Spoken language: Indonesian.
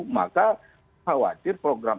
maka khawatir program